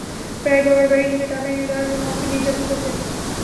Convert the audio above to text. প্রায়ই বাবার বাড়ি থেকে টাকা এনে দেওয়ার জন্য আমাকে নির্যাতন করতেন।